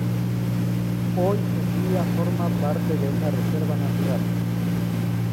Hoy en día forma parte de una reserva natural.